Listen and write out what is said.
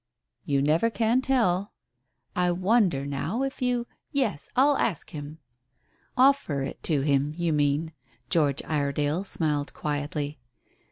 "You never can tell." "I wonder now if you yes, I'll ask him." "Offer it to him, you mean." George Iredale smiled quietly.